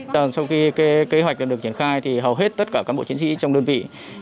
trong khi kế hoạch được triển khai thì hầu hết tất cả cán bộ chiến sĩ trong đơn vị